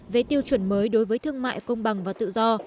về tiêu chuẩn mới đối với thương mại công bằng và tự do